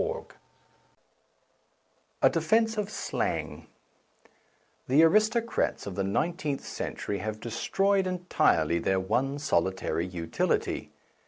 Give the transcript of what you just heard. A DEFENCE OF SLANG THE aristocrats of the nineteenth cen tury have destroyed entirely their one solitary utility.